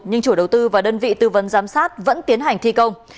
nhưng chủ đầu tư và đơn vị tư vấn giám sát vẫn tiến hành thi công